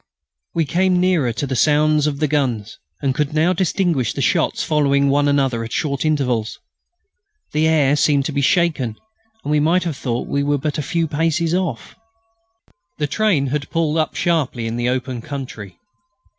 We came nearer to the sounds of the guns and could now distinguish the shots following one another at short intervals. The air seemed to be shaken, and we might have thought we were but a few paces off. The train had pulled up sharply in the open country.